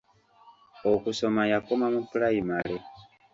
Okusoma yakoma mu pulayimale.